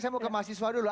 saya mau ke mahasiswa dulu